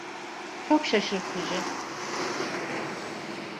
Çok şaşırtıcı.